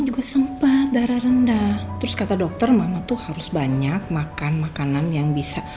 juga sempat darah rendah terus kata dokter mama tuh harus banyak makan makanan yang bisa